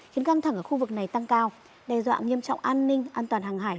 khiến căng thẳng ở khu vực này tăng cao đe dọa nghiêm trọng an ninh an toàn hàng hải